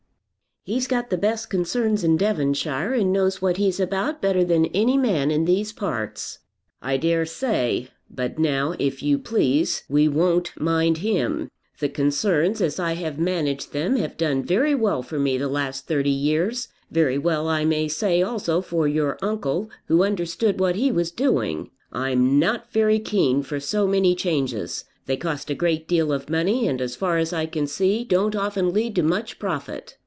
"He's got the best concerns in Devonshire, and knows what he's about better than any man in these parts." "I dare say. But now, if you please, we won't mind him. The concerns, as I have managed them, have done very well for me for the last thirty years; very well I may say also for your uncle, who understood what he was doing. I'm not very keen for so many changes. They cost a great deal of money, and as far as I can see don't often lead to much profit."